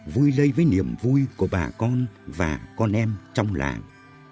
vui lây với niềm vui của bà con và con em trong làng